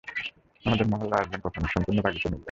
আমাদের মহল্লায় আসবেন কখনো, সম্পূর্ণ বাগিচা মিলবে।